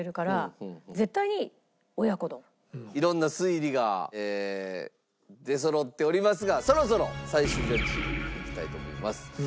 色んな推理が出そろっておりますがそろそろ最終ジャッジにいきたいと思います。